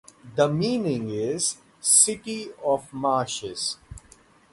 The meaning is 'City of Marshes'.